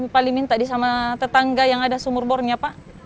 paling minta di sama tetangga yang ada sumur bornya pak